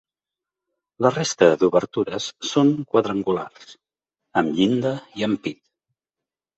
La resta d'obertures són quadrangulars, amb llinda i ampit.